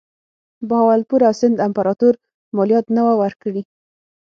بهاولپور او سند امیرانو مالیات نه وه ورکړي.